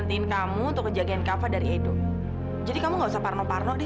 sampai jumpa di video selanjutnya